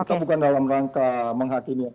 atau bukan dalam rangka menghakimi